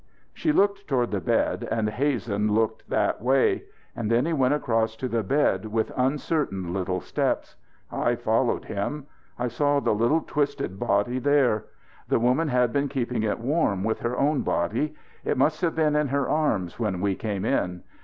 She looked toward the bed and Hazen looked that way; and then he went across to the bed with uncertain little steps. I followed him. I saw the little twisted body there. The woman had been keeping it warm with her own body. It must have been in her arms when we came in.